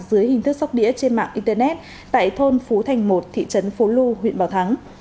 dưới hình thức sóc đĩa trên mạng internet tại thôn phú thành một thị trấn phố lu huyện bảo thắng